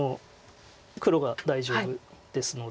黒が大丈夫ですので。